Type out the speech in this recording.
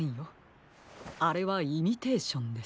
あれはイミテーションです。